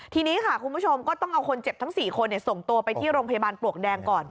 ทีนี้ค่ะคุณผู้ชมก็ต้องเอาคนเจ็บทั้ง๔คนส่งตัวไปที่โรงพยาบาลปลวกแดงก่อน